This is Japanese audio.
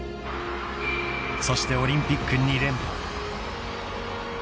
［そしてオリンピック２連覇］